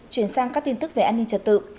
chuyển sang các tin tức về an ninh trật tự